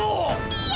いや！